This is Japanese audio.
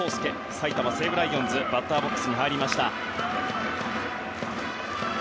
埼玉西武ライオンズの源田がバッターボックスに入りました。